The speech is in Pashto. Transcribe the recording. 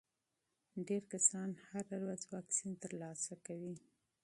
ډېر کسان هره ورځ واکسین ترلاسه کوي.